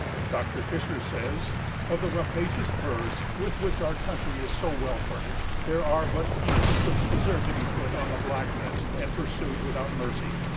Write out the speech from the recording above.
Dr. Fisher says, "Of the rapacious birds with which our country is so well furnished, there are but few which deserve to be put on the black list and pursued without mercy.